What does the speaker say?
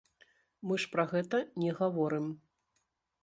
Мы ж пра гэта не гаворым.